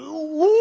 お。